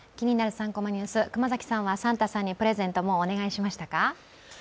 ３コマニュース」、熊崎さんはサンタさんにプレゼント、もうお願いしましたか？